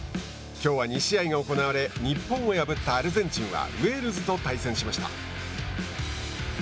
きょうは２試合が行われ日本を破ったアルゼンチンはウェールズと対戦しました。